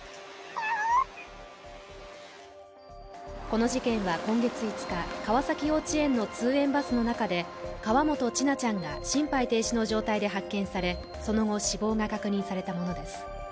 この事件は今月５日、川崎幼稚園の通園バスの中で河本千奈ちゃんが心肺停止の状態で発見されその後、死亡が確認されたものです